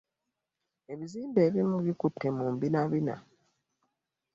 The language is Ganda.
Ebizimbe ebimu bikutte mu mbinabina.